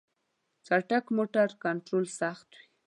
چټک موټر کنټرول سخت وي.